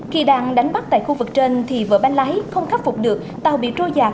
khi đàn đánh bắt tại khu vực trên thì vợ banh lái không khắc phục được tàu bị trôi giặc